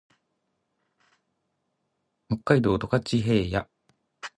北海道十勝平野